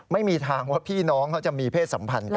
ไม่มีทางว่าพี่น้องเขาจะมีเพศสัมพันธ์กัน